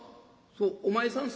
「そうお前さん